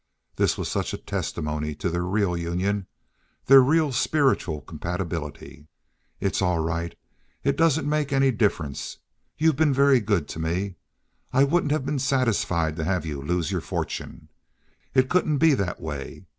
This was such a testimony to their real union—their real spiritual compatibility. "It's all right. It doesn't make any difference. You've been very good to me. I wouldn't have been satisfied to have you lose your fortune. It couldn't be that way.